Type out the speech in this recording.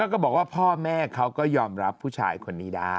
ก็บอกว่าพ่อแม่เขาก็ยอมรับผู้ชายคนนี้ได้